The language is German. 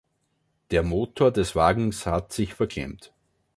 Der Motor des Wagens hat sich verklemmt.